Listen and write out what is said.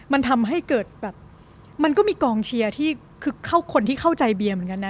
มันทำให้เกิดแบบมันก็มีกองเชียร์ที่คือเข้าคนที่เข้าใจเบียร์เหมือนกันนะ